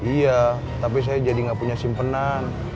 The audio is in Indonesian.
iya tapi saya jadi nggak punya simpenan